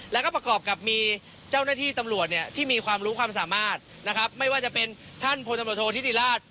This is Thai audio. แล้วก็ประกอบกับมีเจ้าหน้าที่ตำรวจเนี่ยที่มีความรู้ความสามารถนะครับไม่ว่าจะเป็นท่านพลตำรวจโทษธิติราช